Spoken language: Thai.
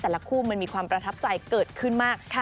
แต่ละคู่มันมีความประทับใจเกิดขึ้นมากค่ะ